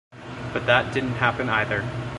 But that didn't happen either.